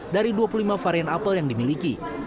dari dua puluh lima varian apel yang dimiliki